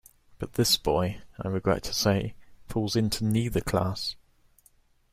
But this boy, I regret to say, falls into neither class.